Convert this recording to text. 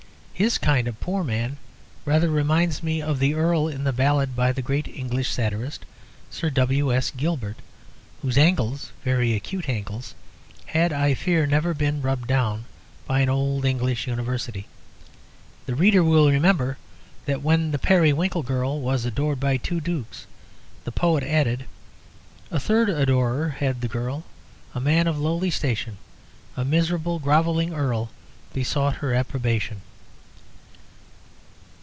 His kind of poor man rather reminds me of the Earl in the ballad by that great English satirist, Sir W.S. Gilbert, whose angles (very acute angles) had, I fear, never been rubbed down by an old English University. The reader will remember that when the Periwinkle girl was adored by two Dukes, the poet added "A third adorer had the girl, A man of lowly station; A miserable grovelling Earl Besought her approbation."